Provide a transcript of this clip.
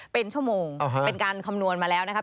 เป็นชั่วโมงเป็นการคำนวณมาแล้วนะครับ